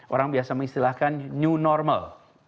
orang biasa mengistilahkan new normal